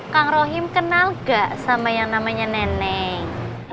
kang rohim kenal gak sama yang namanya neneng